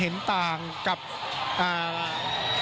แล้วก็ยังมวลชนบางส่วนนะครับตอนนี้ก็ได้ทยอยกลับบ้านด้วยรถจักรยานยนต์ก็มีนะครับ